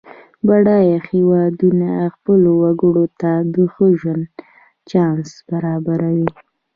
بډایه هېوادونه خپلو وګړو ته د ښه ژوند چانس برابروي.